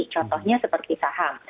contohnya seperti saham